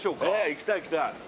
行きたい行きたい。